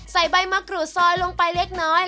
ใบมะกรูดซอยลงไปเล็กน้อย